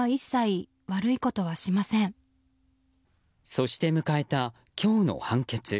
そして迎えた今日の判決。